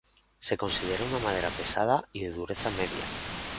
Se considera una madera pesada y de dureza media.